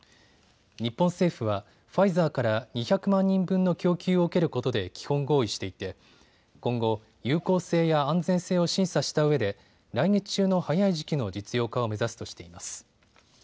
日本政府はファイザーから２００万人分の供給を受けることで基本合意していて今後、有効性や安全性を審査したうえで来月中の早い時期の実用化を目指すとしています。